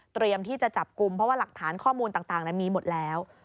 ที่จะจับกลุ่มเพราะว่าหลักฐานข้อมูลต่างมีหมดแล้ว